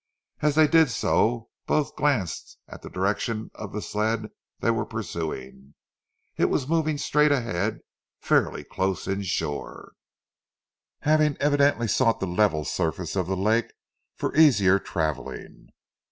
As they did so both glanced at the direction of the sled they were pursuing. It was moving straight ahead, fairly close in shore, having evidently sought the level surface of the lake for easier travelling.